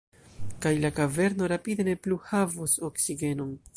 Kaj la kaverno rapide ne plu havos oksigenon.